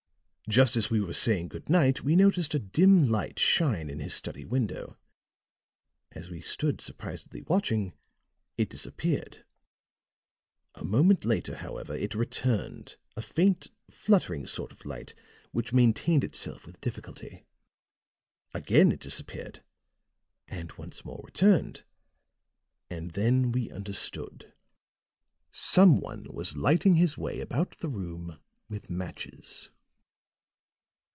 Just as we were saying good night we noticed a dim light shine in his study window. As we stood surprisedly watching, it disappeared. A moment later, however, it returned, a faint fluttering sort of light which maintained itself with difficulty. Again it disappeared and once more returned; and then we understood. Some one was lighting his way about the room with matches.